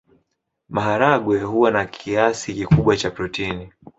Maharagwe huwa na kiasi kikubwa cha protini.